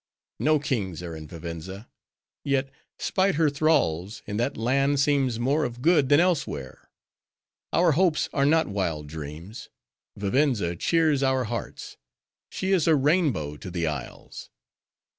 No kings are in Vivenza; yet, spite her thralls, in that land seems more of good than elsewhere. Our hopes are not wild dreams: Vivenza cheers our hearts. She is a rainbow to the isles!"